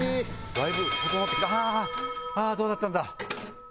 どうだったんだ？